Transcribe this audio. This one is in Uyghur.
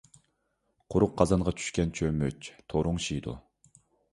قۇرۇق قازانغا چۈشكەن چۆمۈچ تورۇڭشىيدۇ.